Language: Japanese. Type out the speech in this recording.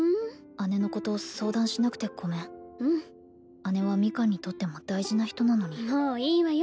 姉のこと相談しなくてごめんうん姉はミカンにとっても大事な人なのにもういいわよ